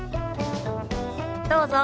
どうぞ。